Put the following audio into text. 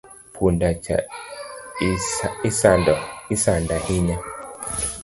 Punda cha isando ahinya